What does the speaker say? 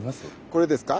これですか？